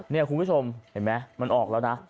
นี่คุณผู้ชมเห็นไหมมันออกแล้วนะ